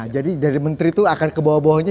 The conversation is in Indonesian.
jadi dari menteri itu akan ke bawah bawahnya